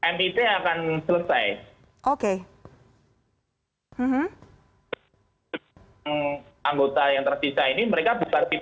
mit akan selesai